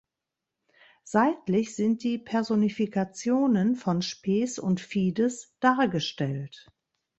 Seitlich sind die Personifikationen von Spes und Fides dargestellt.